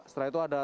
setelah itu ada